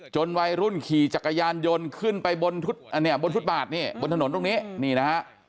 วัยรุ่นขี่จักรยานยนต์ขึ้นไปบนฟุตบาทนี่บนถนนตรงนี้นี่นะฮะ